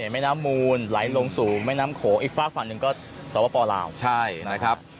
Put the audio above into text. แม่น้ำมูลไหลลงสู่แม่น้ำโขงอีกฝากฝั่งหนึ่งก็สวปลาวใช่นะครับ